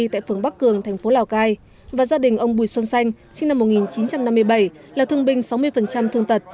tại phường bắc cường thành phố lào cai và gia đình ông bùi xuân xanh sinh năm một nghìn chín trăm năm mươi bảy là thương binh sáu mươi thương tật